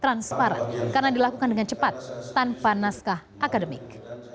transparan karena dilakukan dengan cepat tanpa naskah akademik